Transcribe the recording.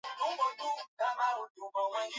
kuna wanga mwingi kwenye viazi lishe